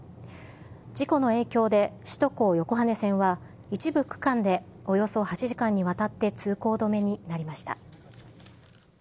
事故の影響で、首都高横羽線は一部区間でおよそ８時間にわたって通行止めになりました。